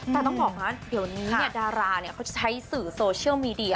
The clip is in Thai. แต่ต้องบอกนะเดี๋ยวนี้ดาราเขาใช้สื่อโซเชียลมีเดีย